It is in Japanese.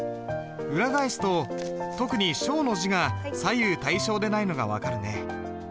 裏返すと特に「小」の字が左右対称でないのが分かるね。